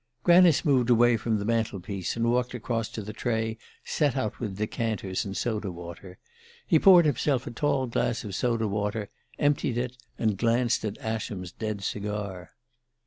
Granice moved away from the mantel piece, and walked across to the tray set out with decanters and soda water. He poured himself a tall glass of soda water, emptied it, and glanced at Ascham's dead cigar.